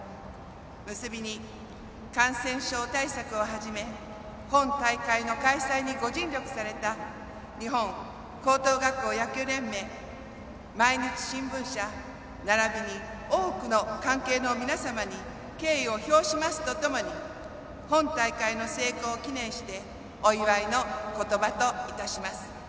結びに、感染症対策をはじめ本大会の開催にご尽力された日本高等学校野球連盟毎日新聞社ならびに多くの関係の皆様に敬意を表しますとともに本大会の成功を祈念してお祝いの言葉といたします。